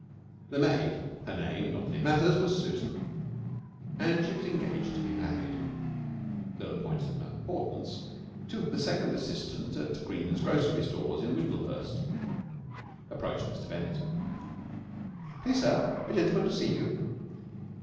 The maid her name, not that it matters, was Susan, and she was engaged to be married, though the point is of no importance, to the second assistant at Green's Grocery Stores in Windlehurst approached Mr. Bennett. "Please, sir, a gentleman to see you."